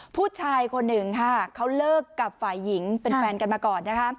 ผู้ชายคนหนึ่งค่ะเขาเลิกกับฝ่ายหญิงเป็นแฟนกันมาก่อนนะคะ